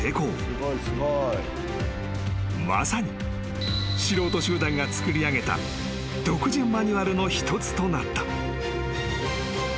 ［まさに素人集団が作りあげた独自マニュアルの一つとなった］